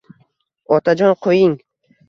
Otajon, qo’ying.